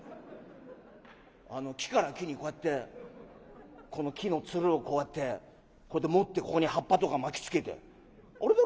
木から木にこうやってこの木のツルをこうやってこうやって持ってここに葉っぱとか巻きつけて。